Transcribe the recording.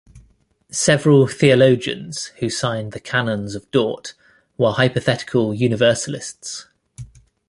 Several theologians who signed the Canons of Dort were hypothetical universalists.